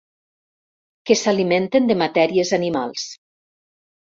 Que s'alimenten de matèries animals.